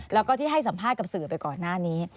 แล้วก็ที่ให้สัมภาษณ์กับสื่อไปก่อนหน้านี้